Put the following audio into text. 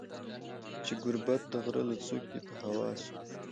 چي ګوربت د غره له څوکي په هوا سو